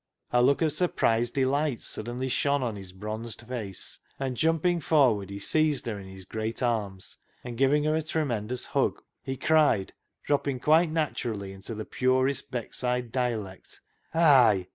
A look of surprised delight suddenly shone on his bronzed face, and jumping forward he seized her in his great arms, and giving her a tremendous hug, he cried, dropping quite naturally into the purest Beckside dialect —" Hay